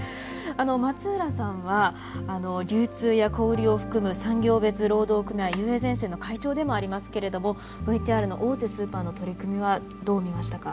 松浦さんは流通や小売りを含む産業別労働組合ＵＡゼンセンの会長でもありますけれどもＶＴＲの大手スーパーの取り組みはどう見ましたか？